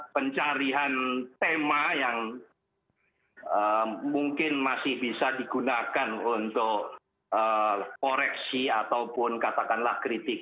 pencarian tema yang mungkin masih bisa digunakan untuk koreksi ataupun katakanlah kritik